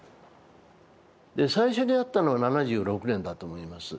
最初に会ったのは７６年だと思います。